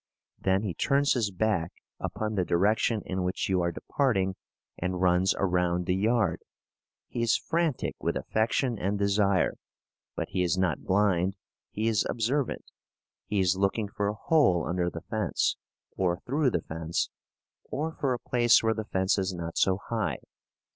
Then he turns his back upon the direction in which you are departing, and runs around the yard. He is frantic with affection and desire. But he is not blind. He is observant. He is looking for a hole under the fence, or through the fence, or for a place where the fence is not so high.